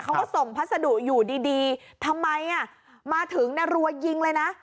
เขาก็ส่งพัสดุอยู่ดีทำไมมาถึงรัวยิงเลยนะ